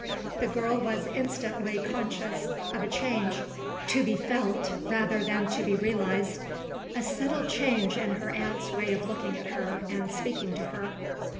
The girl was instantly conscious of a change to be felt rather than to be realised a subtle change in her aunt's way of looking at her and speaking to her.